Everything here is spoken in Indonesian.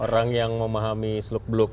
orang yang memahami sluk bluk